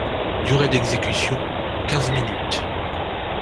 Durée d'exécution: quinze minutes.